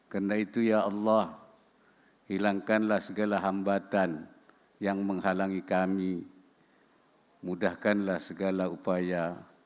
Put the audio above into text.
karena itu ya allah hilangkanlah segala hambatan yang menghalangi kami mudahkanlah segala upaya